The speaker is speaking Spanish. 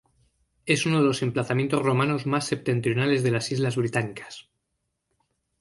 Es uno de los emplazamientos romanos más septentrionales de las Islas Británicas.